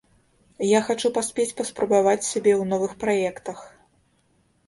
Я хачу паспець паспрабаваць сябе ў новых праектах.